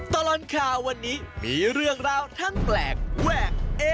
ตลอดข่าววันนี้มีเรื่องราวทั้งแปลกแวกเอ๊